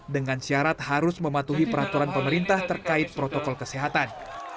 dengan syarat harus mematuhi peraturan pemerintah terkait protokol kesehatan